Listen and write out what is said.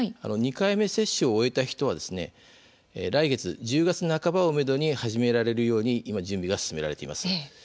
２回目接種を終えた人は来月１０月半ばをめどに始められるように今、準備が進められています。